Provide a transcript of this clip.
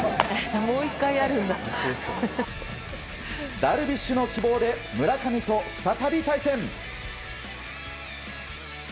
ダルビッシュの希望で村上と再び対戦。